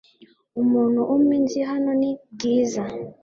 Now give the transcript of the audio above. Umuntu umwe nzi hano ni Bwiza .